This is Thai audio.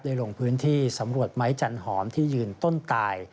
ลงพื้นที่สำรวจไม้จันหอมที่ยืนต้นตาย